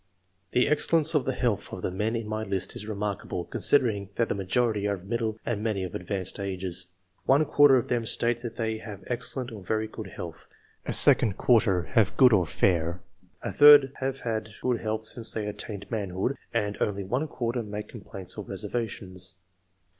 The excellence of the health of the men in my list is remarkable, considering that the majority are of middle and many of advanced ages. One quarter of them state that they IT 2 100 ENGLISH MEN OF SCIENCE. [chap. have excellent or very good health, a second quarter have good or fair, a third have had good health since they attained manhood, and only one quarter make complaints or reservations.